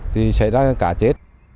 thì xảy ra cá chết